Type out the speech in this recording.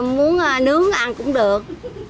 muốn nướng ăn cũng được